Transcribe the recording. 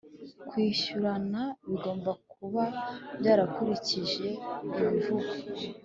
kwishyurana bigomba kuba byakurikije ibivugwa